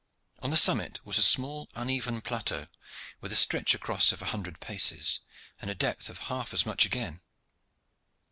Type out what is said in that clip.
On the summit was a small uneven plateau, with a stretch across of a hundred paces, and a depth of half as much again.